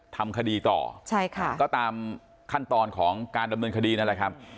ทำคดีต่อใช่ค่ะก็ตามขั้นตอนของการดำเนินคดีนั่นแหละครับ